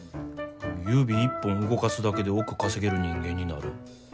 指一本動かすだけで億稼げる人間になる。